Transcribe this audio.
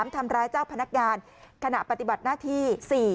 ทำร้ายเจ้าพนักงานขณะปฏิบัติหน้าที่๔